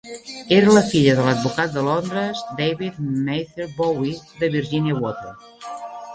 Era la filla de l'advocat de Londres David Mather Bowie de Virginia Water.